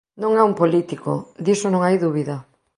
Non é un político. Diso non hai dúbida.